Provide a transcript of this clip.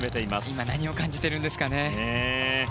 今、何を感じているんですかね。